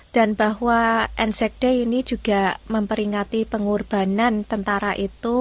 dan bahwa anzac day ini juga memperingati pengorbanan tentara itu